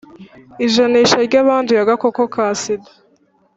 ijanisha ry'abanduye agakoko ka sida